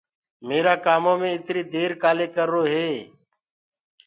ميرآ ڪآمو مي اِتري دير ڪآلي ڪررو هي۔